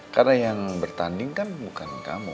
karena yang bertanding kan bukan kamu